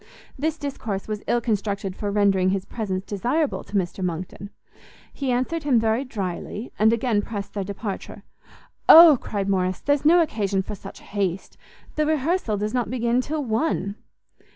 This discourse was ill constructed for rendering his presence desirable to Mr Monckton; he answered him very drily, and again pressed their departure. "O," cried Morrice, "there's no occasion for such haste; the rehearsal does not begin till one."